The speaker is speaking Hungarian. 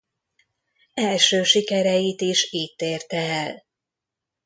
Első sikereit is itt érte el.